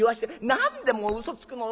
何でもう嘘つくの？